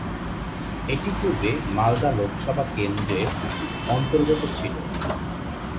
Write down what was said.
এটি পূর্বে মালদা লোকসভা কেন্দ্রের অন্তর্গত ছিল।